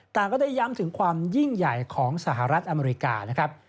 ก็ได้ย้ำถึงความยิ่งใหญ่ของสหรัฐอเมริกานะครับ